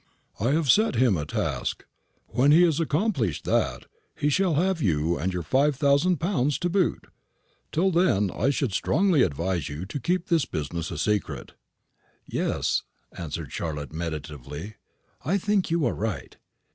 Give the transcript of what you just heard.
I have set him a task. When he has accomplished that, he shall have you and your five thousand pounds to boot. Till then I should strongly advise you to keep this business a secret. "Yes," answered Charlotte, meditatively; "I think you are right.